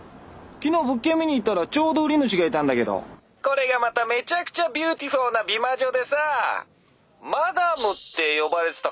昨日物件見に行ったらちょうど売り主がいたんだけどこれがまためちゃくちゃビューティフォーな美魔女でさマダムって呼ばれてたかな？